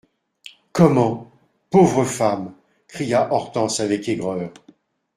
Comment ! pauvre femme ! cria Hortense avec aigreur.